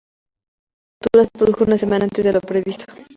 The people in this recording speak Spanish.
La apertura se produjo una semana antes de lo previsto.